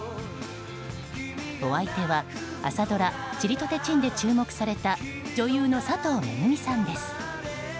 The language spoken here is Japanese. お相手は、朝ドラ「ちりとてちん」で注目された女優の佐藤めぐみさんです。